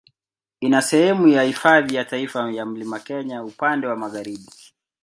Ina sehemu ya Hifadhi ya Taifa ya Mlima Kenya upande wa magharibi.